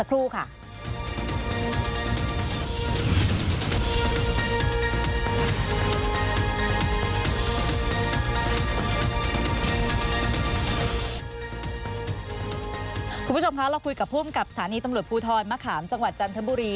คุณผู้ชมคะขอลอกคุยกับผู้การภูทธรหมาขามจังหวัดจันทบุรี